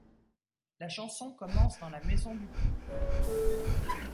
La chanson commence dans la maison du couple.